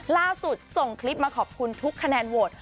ล่าสุดส่งคลิปมาขอบคุณทุกคะแนนโหวต